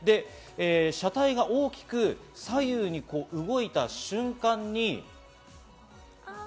車体が大きく左右に動いた瞬間に。